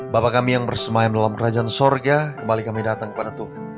bapak kami yang bersemaim dalam kerajaan sorga kembali kami datang kepada tuhan